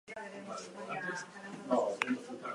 Kamera Ezkutuko Liburua bezala ere ezagutu zen.